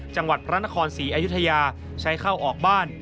จังหวัดพระนครศรีอยุธยาใช้เข้าออกบ้าน